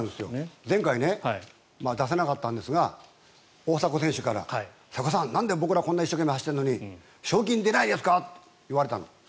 前回出さなかったんですが大迫選手から瀬古さん、なんで僕ら一生懸命走ってるのに賞金出ないんですか！って言われたの。